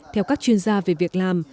theo các chuyên gia về việc làm